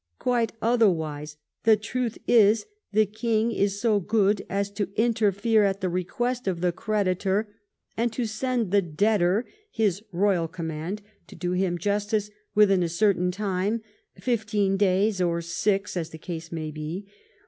Quite otherwise; the truth is, the king is so good as to interfere at the request of the creditor, and to send the debtor his royal command to do him jus tice within a certain time — fifteen days or six, as the case may be.